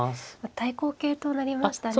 対抗型となりましたね。